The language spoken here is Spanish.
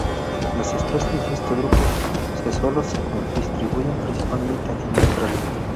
Las especies de este grupo se solo se distribuyen principalmente en Australia.